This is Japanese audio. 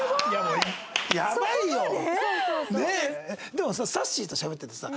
でもささっしーとしゃべっててさ。